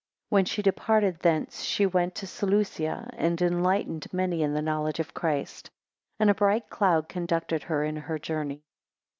11 When she departed thence, she went to Seleucia, and enlightened many in the knowledge of Christ. 12 And a bright cloud conducted her in her journey.